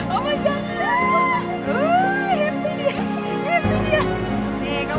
mama mau menang juga mama